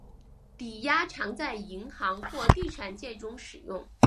抵押常在银行或地产界中使用。